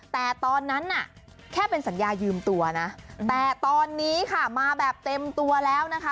แต่ตอนนั้นน่ะแค่เป็นสัญญายืมตัวนะแต่ตอนนี้ค่ะมาแบบเต็มตัวแล้วนะคะ